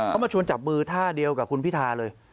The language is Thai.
เขามาชวนจับมือท่าเดียวกับคุณพิธาเลย